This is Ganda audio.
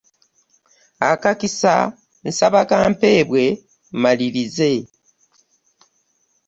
Akakisa nsaba kampeebwe mmalirize.